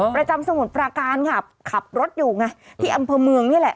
สมุทรปราการค่ะขับรถอยู่ไงที่อำเภอเมืองนี่แหละ